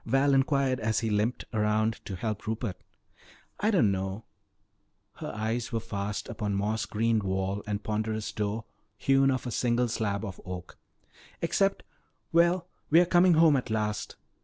Val inquired as he limped around to help Rupert. "I don't know," her eyes were fast upon moss greened wall and ponderous door hewn of a single slab of oak, "except well, we are coming home at last.